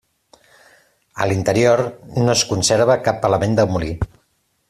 A l'interior no es conserva cap element del molí.